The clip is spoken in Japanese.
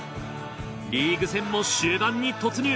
リーグ戦も終盤に突入！